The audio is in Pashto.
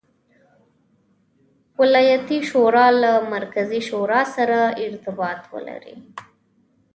ولایتي شورا له مرکزي شورا سره ارتباط ولري.